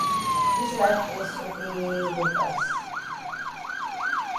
Dis life tess sotay go pass.